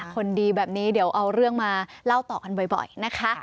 คนดีแบบนี้เดี๋ยวเอาเรื่องมาเล่าต่อกันบ่อยนะคะ